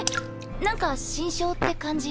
何か辛勝って感じ。